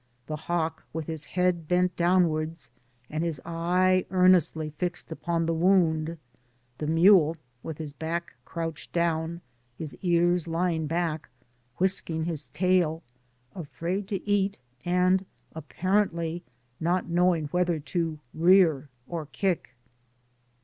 The hawk, with his head bent downwards, and his eye earnestly fixed upon the wound : the mule with his back crouched down, his ears lying back, whisk ing his tail, afraid to eat, and apparently not knowing whether to rear or kick.